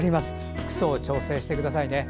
服装調整してください。